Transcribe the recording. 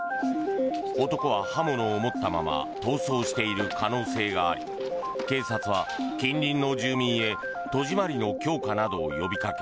男は刃物を持ったまま逃走している可能性があり警察は近隣の住民へ戸締まりの強化などを呼びかけ